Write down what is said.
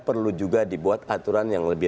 perlu juga dibuat aturan yang lebih